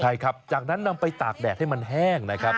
ใช่ครับจากนั้นนำไปตากแดดให้มันแห้งนะครับ